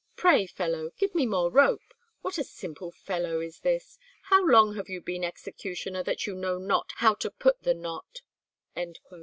Pray, fellow, give me more rope—what a simple fellow is this! How long have you been executioner, that you know not how to put the knot?'"